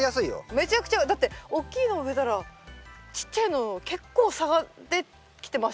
めちゃくちゃだって大きいの植えたらちっちゃいの結構差ができてましたよね。